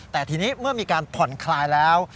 แต่ทีนี้เมื่อมีการผ่อนคลายแล้ว